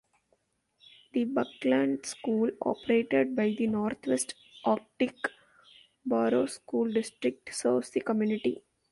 The Buckland School, operated by the Northwest Arctic Borough School District, serves the community.